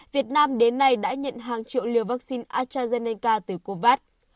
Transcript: việt nam đến nay đã nhận hàng triệu liều vaccine astrazeneca từ covax